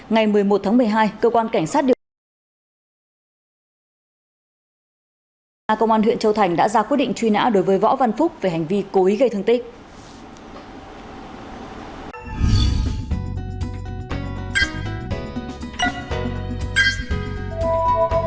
ngày một mươi một tháng một mươi hai cơ quan cảnh sát điều tra công an huyện châu thành đã ra quyết định truy nã đối với võ văn phúc về hành vi cố ý gây thương tích